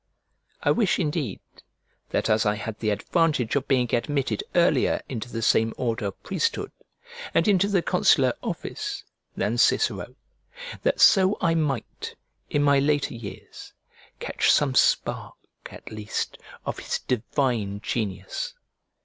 I wish, indeed, that as I had the advantage of being admitted earlier into the same order of priesthood, and into the consular office, than Cicero, that so I might, in my later years, catch some spark, at least, of his divine genius!